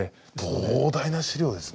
膨大な史料ですね。